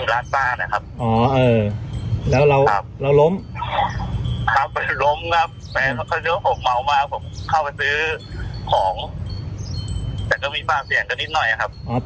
ตอนนั้นหน้ารถพอดีรถ